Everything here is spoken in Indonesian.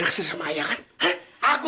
dia yang tahan dia ketawakan aku